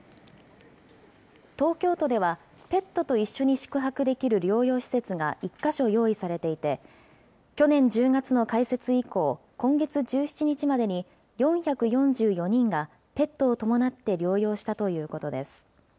東京都では、ペットと一緒に宿泊できる療養施設が１か所用意されていて、去年１０月の開設以降、今月１７日までに４４４人がペットを伴って療養したということです。